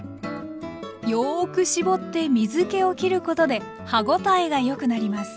よく絞って水けをきることで歯応えがよくなります。